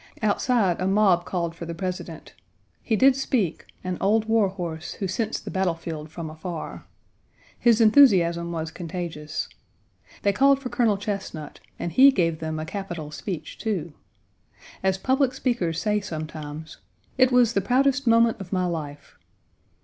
Outside a mob called for the President. He did speak an old war horse, who scents the battle fields from afar. His enthusiasm was contagious. They called for Colonel Chesnut, and he gave them a capital speech, too. As public speakers say sometimes, "It was the proudest moment of my life."